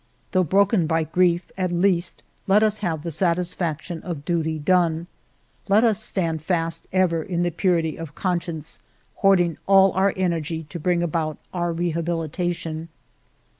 " Though broken by grief, at least let us have the satisfaction of duty done. Let us stand fast ever in purity of conscience, hoarding all our energy to bring about our rehabilitation.